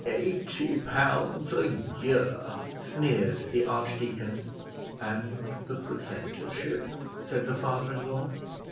"Eighty pounds a year!" sneered the archdeacon. "And the precentorship," said the father in law.